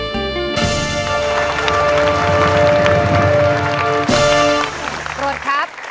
คือรุ่นครับ